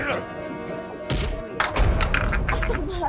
asal kebal aja